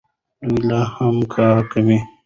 دی لا هم کار کوي.